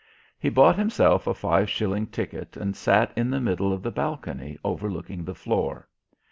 He bought himself a five shilling ticket and sat in the middle of the balcony overlooking the floor.